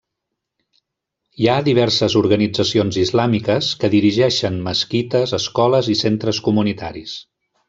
Hi ha diverses organitzacions islàmiques que dirigeixen mesquites, escoles i centres comunitaris.